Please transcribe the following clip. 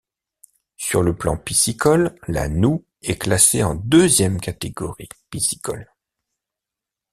Sur le plan piscicole, la Noue est classée en deuxième catégorie piscicole.